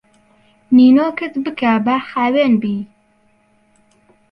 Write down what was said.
نینۆکت بکە با خاوێن بی